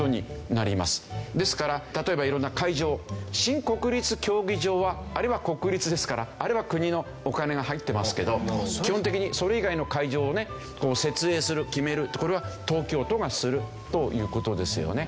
ですから例えば色んな会場新国立競技場はあれは国立ですからあれは国のお金が入ってますけど基本的にそれ以外の会場をね設営する・決めるってこれは東京都がするという事ですよね。